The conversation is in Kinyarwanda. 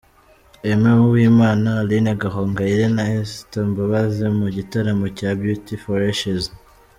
Aime Uwimana, Aline Gahongayire na Esther Mbabazi mu gitaramo cya Beauty For Ashes.